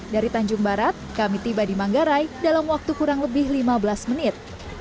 dari tanjung barat kami tiba di manggarai dalam waktu kurang lebih lima belas menit